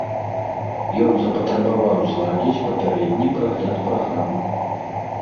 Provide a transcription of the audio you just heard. Ён запатрабаваў зладзіць папярэдні прагляд праграмы.